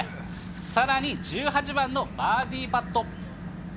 さらに１８番のバーディーパット。